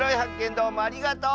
どうもありがとう！